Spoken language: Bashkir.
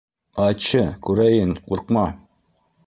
— Айтчы, күрәйен, ҡурҡма.